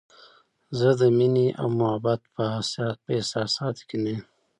زه د مینې او محبت په احساساتو کې نه یم.